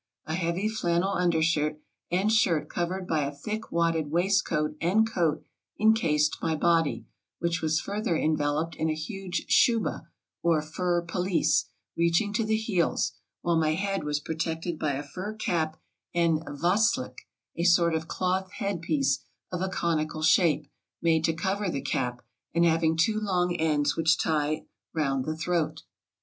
A heavy flannel undershirt, and shirt covered by a thick wadded waistcoat and coat, encased my body, which was further enveloped in a huge sJiuba, or fur pelisse, reaching to the heels, while my head was protected by a fur cap and vasJdick, a sort of cloth head piece, of a conical shape, made to cover the cap, and having two long ends which tie round the throat.